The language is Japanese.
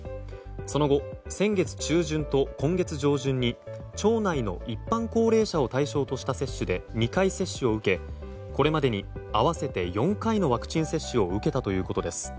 その後、先月中旬と今月上旬に町内の一般高齢者を対象とした接種で２回接種を受けこれまでに合わせて４回のワクチン接種を受けたということです。